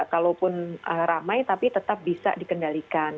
kalaupun ramai tapi tetap bisa dikendalikan